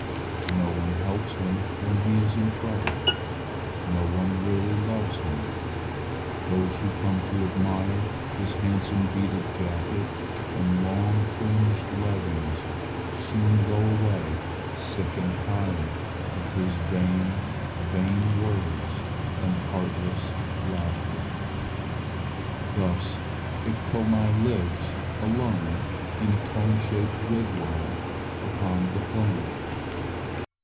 No one helps him when he is in trouble. No one really loves him. Those who come to admire his handsome beaded jacket and long fringed leggins soon go away sick and tired of his vain, vain words and heartless laughter. Thus Iktomi lives alone in a cone shaped wigwam upon the plain.